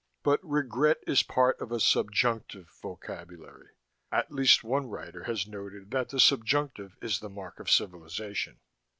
But regret is part of a subjunctive vocabulary. At least one writer has noted that the subjunctive is the mark of civilization.